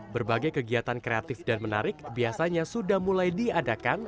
berbagai kegiatan kreatif dan menarik biasanya sudah mulai diadakan